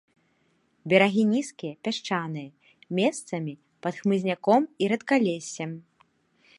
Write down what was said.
Берагі нізкія, пясчаныя, месцамі пад хмызняком і рэдкалессем.